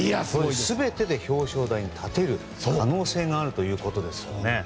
全てで表彰台に立てる可能性があるということですよね。